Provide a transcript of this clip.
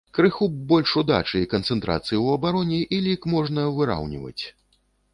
Крыху б больш удачы і і канцэнтрацыі ў абароне, і лік можна выраўніваць.